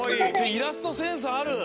イラストセンスある！